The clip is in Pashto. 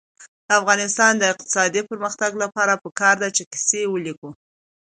د افغانستان د اقتصادي پرمختګ لپاره پکار ده چې کیسې ولیکو.